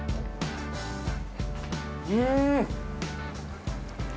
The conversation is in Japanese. うん！